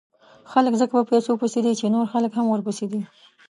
خلک ځکه په پیسو پسې دي، چې نور خلک هم ورپسې دي.